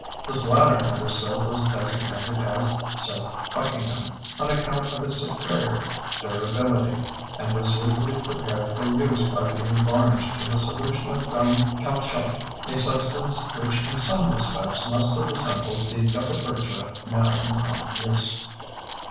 This latter kind of silk was designated as silk buckingham, on account of its superior durability, and was usually prepared for use by being varnished with a solution of gum caoutchouc—a substance which in some respects must have resembled the gutta percha now in common use.